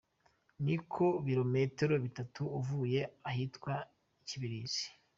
Ni ku birometero bitatu uvuye ahitwa Kibirizi.